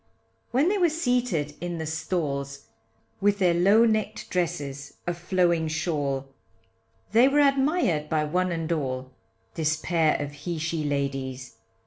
When they were seated in the stalls, With their low neck'd dresses a flowing shawl They were admired by one and all, This pair of he she ladies.